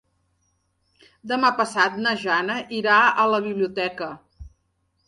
Demà passat na Jana irà a la biblioteca.